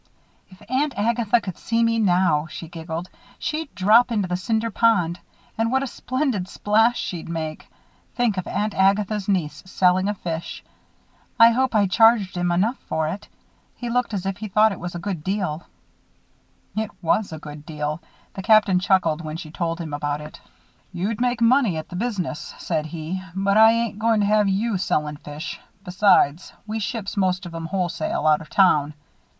"If Aunt Agatha could see me now," she giggled, "she'd drop into the Cinder Pond. And what a splendid splash she'd make! Think of Aunt Agatha's niece selling a fish! I hope I charged him enough for it. He looked as if he thought it a good deal." It was a good deal. The Captain chuckled when she told him about it. "You'd make money at the business," said he, "but I ain't going to have you sellin' fish. Besides, we ships most of 'em wholesale, out of town.